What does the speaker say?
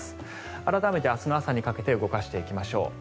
改めて明日の朝にかけて動かしていきましょう。